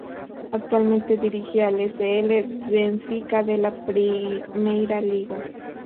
Actualmente dirige al S. L. Benfica de la Primeira Liga.